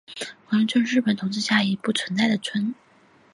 广地村是日本统治下的桦太厅真冈郡的已不存在的一村。